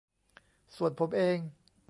ส่วนผมเอง